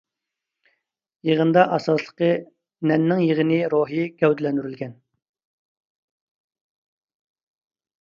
يىغىنىدا ئاساسلىقى نەننىڭ يىغىنى روھى گەۋدىلەندۈرۈلگەن.